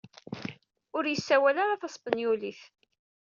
Ur yessawal ara taspenyulit.